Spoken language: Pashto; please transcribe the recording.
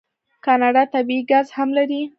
کاناډا طبیعي ګاز هم لري.